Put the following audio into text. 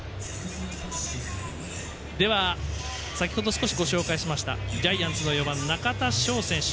では、先ほど少しご紹介しましたジャイアンツの４番中田翔選手。